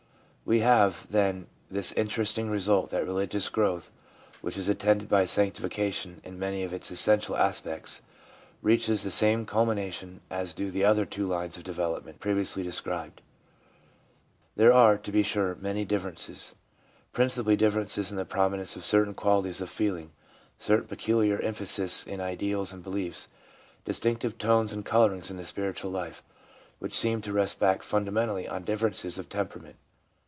We have, then, this interesting result, that religious growth which is attended by sanctification in many of its essential aspects reaches the same culmination as do the other two lines of development previously described. There are, to be sure, many differences — principally differences in the prominence of certain qualities of feeling, certain peculiar emphases in ideals and beliefs, distinctive tones and colourings in the spiritual life, w T hich seem to rest back fundamentally on differences of temperament.